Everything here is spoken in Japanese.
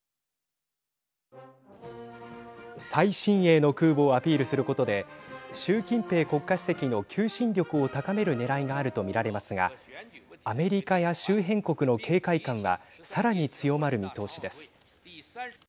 最新鋭の空母をアピールすることで習近平国家主席の求心力を高めるねらいがあるとみられますがアメリカや周辺国の警戒感はさらに強まる見通しです。